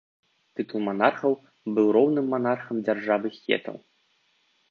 Тытул манархаў быў роўным манархам дзяржавы хетаў.